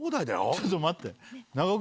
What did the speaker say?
⁉ちょっと待って。